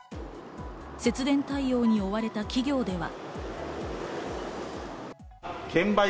節電対応に追われた企業では。